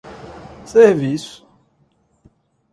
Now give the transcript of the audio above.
serviços